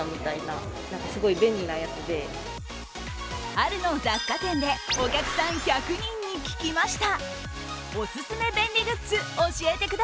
春の雑貨店でお客さん１００人に聞きました。